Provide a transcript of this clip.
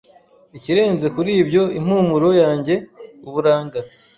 Ikirenze kuri ibyo, impumuro yanjye, uburanga,